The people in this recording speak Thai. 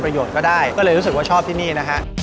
การแชร์ประสบการณ์